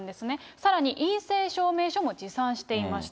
さらに陰性証明書も持参していました。